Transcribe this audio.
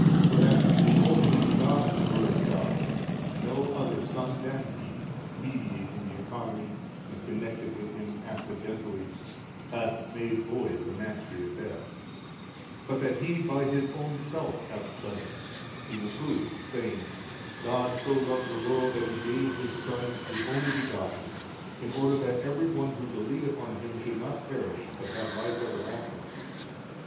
For that the Only Begotten Word of God, no other son than He mediating the Economy and connected with Him accidentally, hath made void the mastery of death; but that He by His own Self hath done it, He will prove saying, God so loved the world that He gave His Son the Only Begotten in order that every one who believeth on Him should not perish but have life everlasting.